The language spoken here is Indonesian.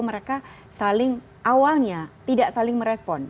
mereka saling awalnya tidak saling merespon